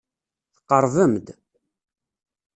Tqerrbem-d.